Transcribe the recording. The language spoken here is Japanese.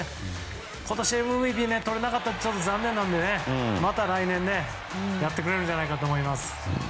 今年、ＭＶＰとれなかったのはちょっと残念なので、また来年やってくれるんじゃないかと思います。